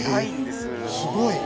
すごい。